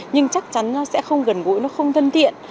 nhưng chắc chắn nó sẽ không gần gũi nó không thân thiện